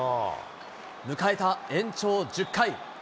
迎えた延長１０回。